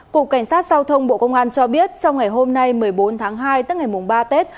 cục cảnh sát giao thông bộ công an cho biết trong ngày hôm nay một mươi bốn tháng hai tức ngày ba tết